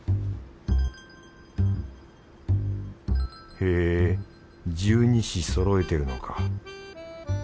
へぇ十二支そろえてるのか。